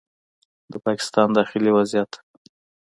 د پاکستان داخلي وضعیت